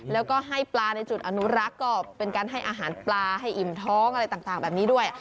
แล้วก็ให้ปลาในจุดอนุรักษ์ก็เป็นการให้อาหารปลาให้อิ่มท้องอะไรต่างแบบนี้ด้วย